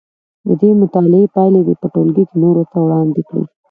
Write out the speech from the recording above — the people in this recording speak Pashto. د دې مطالعې پایلې دې په ټولګي کې نورو ته وړاندې کړي.